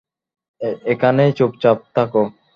এখানেই চুপচাপ থাকো।